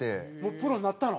プロになったの？